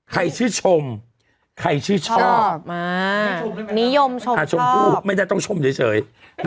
ใครชื่นชมใครชื่นชอบนิยมชมชมพู่ไม่ได้ต้องชมเฉย